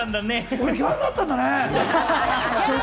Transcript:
俺、ギャルだったんだね。